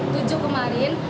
tanggal tujuh kemarin